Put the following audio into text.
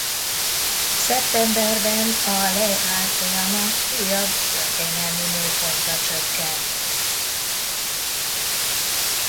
Szeptemberben a lej árfolyama újabb történelmi mélypontra csökkent.